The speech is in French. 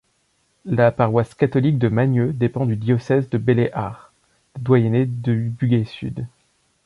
La paroisse catholique de Magnieu dépend du diocèse de Belley-Ars, doyenné du Bugey-sud.